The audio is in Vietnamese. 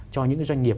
cho những doanh nghiệp